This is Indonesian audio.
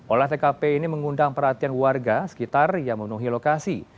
olah tkp ini mengundang perhatian warga sekitar yang memenuhi lokasi